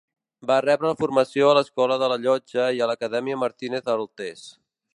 Va rebre formació a l'Escola de la Llotja i a l'Acadèmia Martínez Altés.